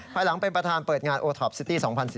ภายหลังเป็นประธานเปิดงานโอท็อปซิตี้๒๐๑๙